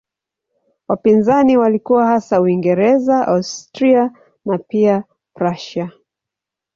Wapinzani walikuwa hasa Uingereza, Austria na pia Prussia.